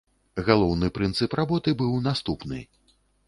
Галоўны прынцып работы быў наступны.